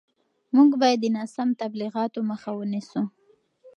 موږ باید د ناسم تبلیغاتو مخه ونیسو.